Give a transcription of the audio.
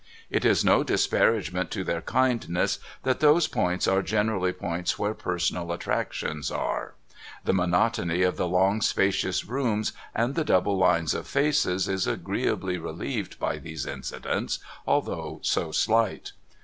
It is no disparagement to their kindness that those points are generally points where personal attractions are. The monotony of the long spacious rooms and the double lines of faces is agreeably relieved by these incidents, although so slight.